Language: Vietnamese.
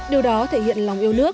điều đó thể hiện lòng yêu nước